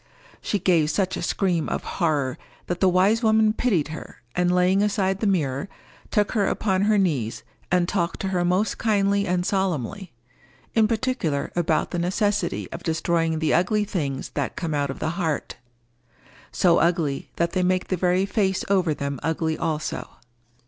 She gave such a scream of horror that the wise woman pitied her, and laying aside the mirror, took her upon her knees, and talked to her most kindly and solemnly; in particular about the necessity of destroying the ugly things that come out of the heart—so ugly that they make the very face over them ugly also.